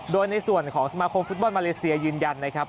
โดยในส่วนของสมาคมฟุตบอลมาเลเซียยืนยันนะครับ